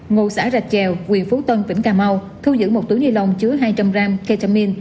ngộ xã rạch trèo quyền phố tân tỉnh cà mau thu giữ một túi ni lông chứa hai trăm linh gram ketamine